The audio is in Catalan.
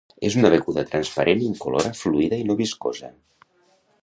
És una beguda transparent, incolora, fluida i no viscosa.